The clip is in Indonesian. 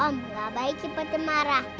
om gak baik si patamara